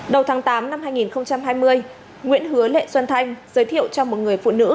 đầu tháng tám năm hai nghìn hai mươi nguyễn hứa lệ xuân thanh giới thiệu cho một người phụ nữ